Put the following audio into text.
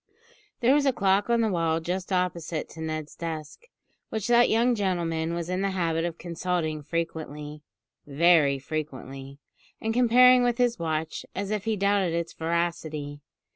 There was a clock on the wall just opposite to Ned's desk, which that young gentleman was in the habit of consulting frequently very frequently and comparing with his watch, as if he doubted its veracity.